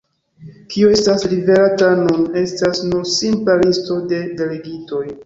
Kio estas liverata nun, estas nur simpla listo de delegitoj.